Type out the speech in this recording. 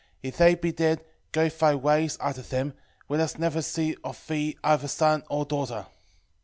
if they be dead, go thy ways after them, let us never see of thee either son or daughter.